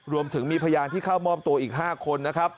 รวมถึงมีพยานที่เข้ามอบตัวอีก๕คนนะครับ